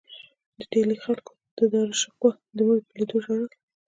د ډیلي خلکو د داراشکوه د مړي په لیدو ژړل.